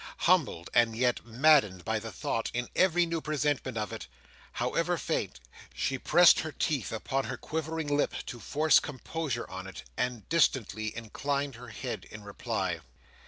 Humbled and yet maddened by the thought, in every new presentment of it, however faint, she pressed her teeth upon her quivering lip to force composure on it, and distantly inclined her head in reply.